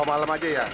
oh malam saja ya